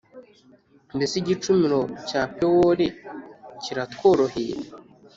Mbese igicumuro cya Pewori kiratworoheye